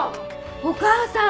お義母さん